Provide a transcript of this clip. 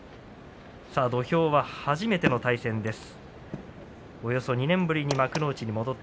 土俵は初めての対戦です。